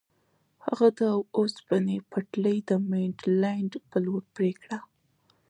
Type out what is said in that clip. هغه د اوسپنې پټلۍ د مینډلینډ په لور پرې کړه.